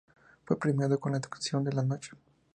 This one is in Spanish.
Fue premiado con la "Actuación de la Noche".